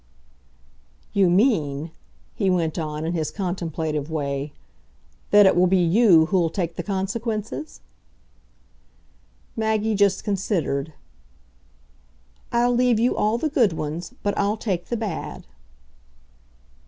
"You mean," he went on in his contemplative way, "that it will be you who'll take the consequences?" Maggie just considered. "I'll leave you all the good ones, but I'll take the bad."